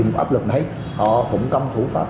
một áp lực này họ cũng công thủ phạm